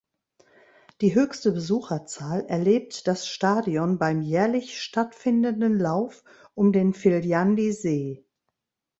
Die höchste Besucherzahl erlebt das Stadion beim jährlich stattfinden Lauf um den Viljandi-See.